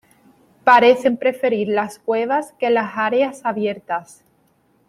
Parecen preferir las cuevas que las áreas abiertas.